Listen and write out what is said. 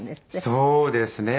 そうですね。